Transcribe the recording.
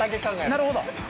なるほど。